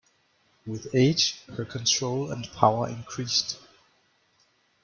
With age her control and power increased.